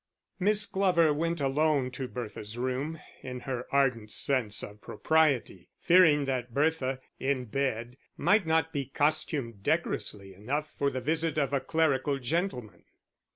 Miss Glover went alone to Bertha's room, in her ardent sense of propriety fearing that Bertha, in bed, might not be costumed decorously enough for the visit of a clerical gentleman.